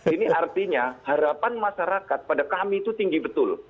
ini artinya harapan masyarakat pada kami itu tinggi betul